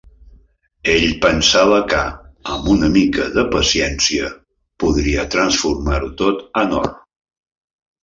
Ell pensava que, amb una mica de paciència, podria transformar-ho tot en or.